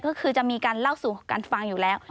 ก็คือจะมีการเล่าสู่กันฟังอยู่แล้ว